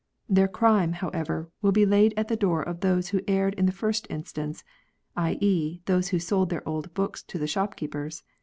Their crime, however, will be laid at the door of those who erred in the first instance (*.e., those who sold their old books to the shopkeepers).